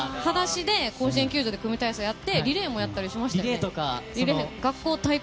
裸足で甲子園球場で組体操をやってリレーもやったりしましたね。